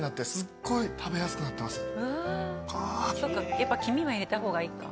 やっぱ黄身は入れた方がいいか。